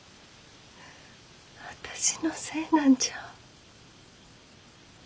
私のせいなんじゃ。